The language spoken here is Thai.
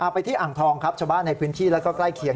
ไปที่อ่างทองครับชาวบ้านในพื้นที่แล้วก็ใกล้เคียง